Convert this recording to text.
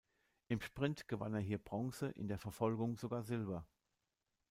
Im Sprint gewann er hier Bronze, in der Verfolgung sogar Silber.